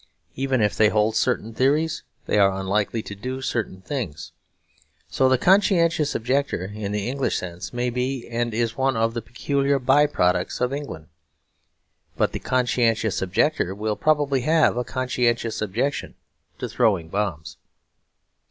Even if they hold certain theories, they are unlikely to do certain things. So the conscientious objector, in the English sense, may be and is one of the peculiar by products of England. But the conscientious objector will probably have a conscientious objection to throwing bombs.